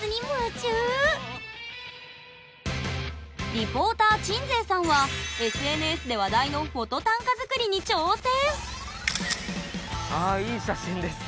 リポーター鎮西さんはＳＮＳで話題のフォト短歌作りに挑戦！